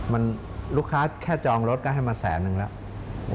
มันลูกค้าแค่จองรถก็ให้มาแสนนึงแล้ว